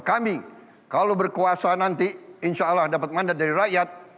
kami kalau berkuasa nanti insya allah dapat mandat dari rakyat